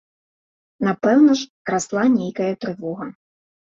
Напэўна ж, расла нейкая трывога.